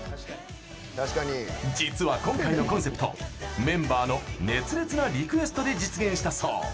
実は今回のコンセプトメンバーの熱烈なリクエストで実現したそう。